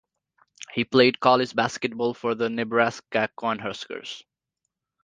He played college basketball for the Nebraska Cornhuskers.